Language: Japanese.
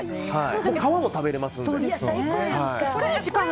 皮も食べれますから。